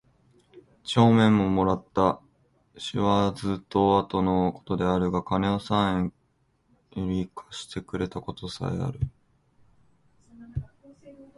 帳面も貰つた。是はずつと後の事であるが金を三円許り借してくれた事さへある。